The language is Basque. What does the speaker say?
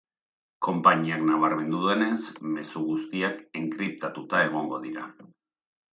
Konpainiak nabarmendu duenez, mezu guztiak enkriptatuta egongo dira.